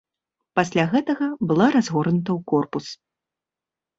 Пасля гэтага была разгорнута ў корпус.